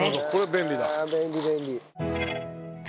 便利便利。